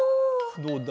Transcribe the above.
どうだ？